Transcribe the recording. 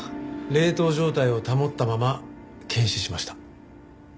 冷凍状態を保ったまま検視しました。